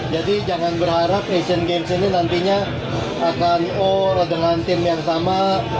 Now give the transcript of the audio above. jadi jangan berharap asean games ini nantinya akan all dengan tim yang sama